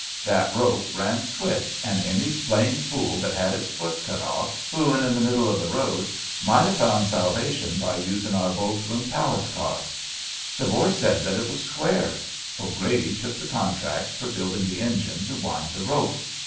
That rope ran swift, and any blame fool that had his foot cut off, fooling in the middle .of the road, might ha' found salvation by using our Bow Flume Palace Car. The boys said that was square, 'Grady took the contract for building the engine to wind the rope.